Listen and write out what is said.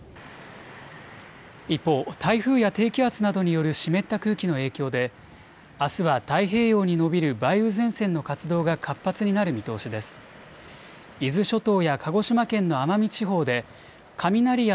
一方、台風や低気圧などによる湿った空気の影響であすは太平洋にのびる梅雨前線の活動が活発になる見通しです。